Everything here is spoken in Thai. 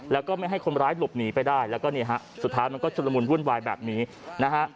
แล้วก็ไม่ให้คนร้ายหลบหนีไปได้แล้วก็นี่ฮะสุดท้ายมันก็ชุดละมุนวุ่นวายแบบนี้นะฮะ